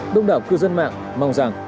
đông đảo cư dân mạng mong rằng